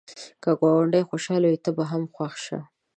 که ګاونډی خوشحال وي، ته هم خوښ شه